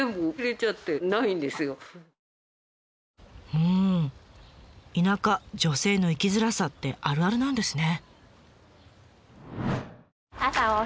うん「『田舎×女性』の生きづらさ」ってあるあるなんですね。